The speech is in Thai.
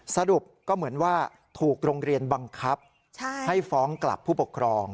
สรุปก็เหมือนว่าถูกโรงเรียนบังคับให้ฟ้องกลับผู้ปกครอง